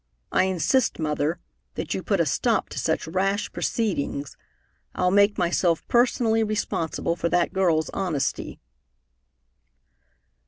I insist, Mother, that you put a stop to such rash proceedings. I'll make myself personally responsible for that girl's honesty."